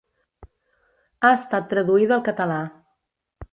Ha estat traduïda al català.